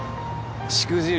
しくじる